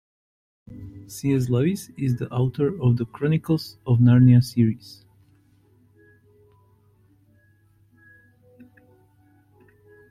C.S. Lewis is the author of The Chronicles of Narnia series.